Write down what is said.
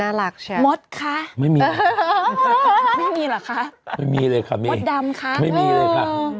หลักใช่ไหมมดคะไม่มีไม่มีเหรอคะไม่มีเลยค่ะมีมดดำคะไม่มีเลยค่ะ